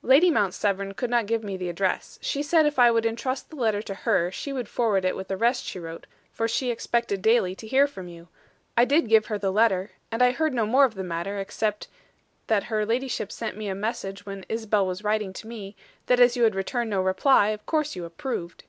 "Lady Mount Severn could not give me the address. She said if I would intrust the letter to her, she would forward it with the rest she wrote, for she expected daily to hear from you. I did give her the letter, and I heard no more of the matter, except that her ladyship sent me a message when Isabel was writing to me, that as you had returned no reply, you of course approved."